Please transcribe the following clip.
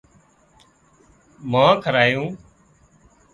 مانه کارايون